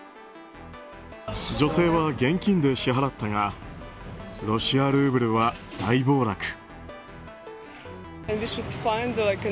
女性は現金で支払ったがロシアルーブルは大暴落。